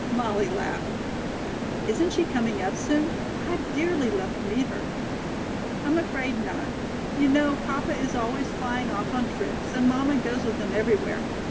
Molly laughed. "Isn't she coming up soon? I'd dearly love to meet her." "I'm afraid not. You know papa is always flying off on trips and mamma goes with him everywhere.